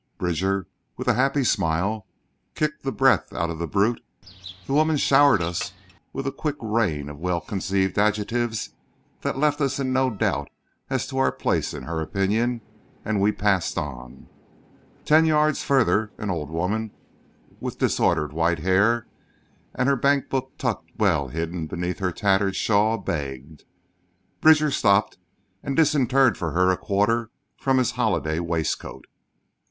Bridger, with a happy smile, kicked the breath out of the brute; the woman showered us with a quick rain of well conceived adjectives that left us in no doubt as to our place in her opinion, and we passed on. Ten yards farther an old woman with disordered white hair and her bankbook tucked well hidden beneath her tattered shawl begged. Bridger stopped and disinterred for her a quarter from his holiday waistcoat.